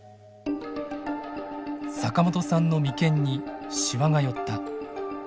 坂本さんの眉間にしわが寄った。